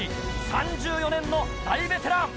３４年の大ベテラン。